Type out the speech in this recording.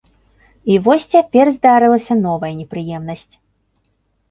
І вось цяпер здарылася новая непрыемнасць.